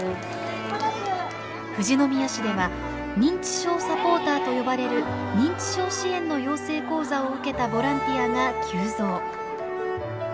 富士宮市では認知症サポーターと呼ばれる認知症支援の養成講座を受けたボランティアが急増。